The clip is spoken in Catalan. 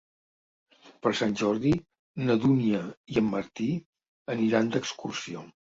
Per Sant Jordi na Dúnia i en Martí aniran d'excursió.